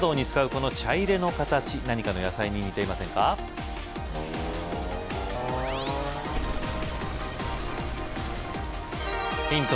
この茶入の形何かの野菜に似ていませんかヒント